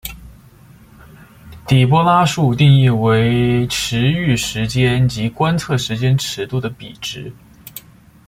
底波拉数定义为驰豫时间及观测时间尺度的比值。